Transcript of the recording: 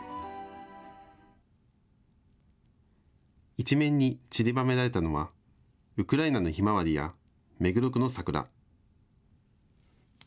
一面にちりばめられたのはウクライナのひまわりや目黒区の桜。